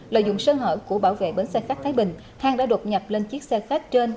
lợi dụng sơ hở của bảo vệ bến xe khách thái bình khang đã đột nhập lên chiếc xe khách trên